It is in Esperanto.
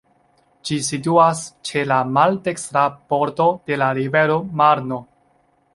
Ĝi situas ĉe la maldekstra bordo de la rivero Marno.